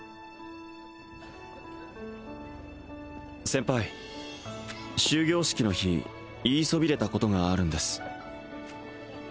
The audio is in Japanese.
先輩終業式の日言いそびれたことがあるんです